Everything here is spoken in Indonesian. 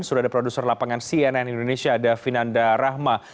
sudah ada produser lapangan cnn indonesia davinanda rahma